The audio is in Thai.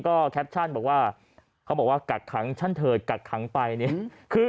ก็แคปชั่นบอกว่าเขาบอกว่ากักขังฉันเถิดกักขังไปเนี่ยคือ